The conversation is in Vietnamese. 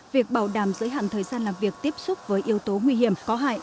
việc bảo đảm giới hạn thời gian làm việc tiếp xúc với yếu tố nguy hiểm có hại